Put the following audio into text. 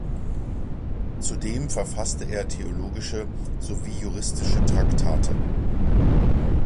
Zudem verfasste er theologische sowie juristische Traktate.